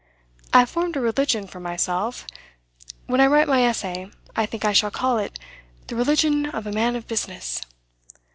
I have formed a religion for myself; when I write my essay, I think I shall call it "The Religion of a Man of Business."